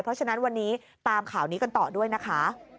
เพราะฉะนั้นวันนี้ตามข่าวนี้กันต่อด้วยนะคะ